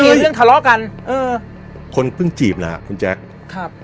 มีเรื่องทะเลาะกันเออคนเพิ่งจีบนะฮะคุณแจ๊คครับ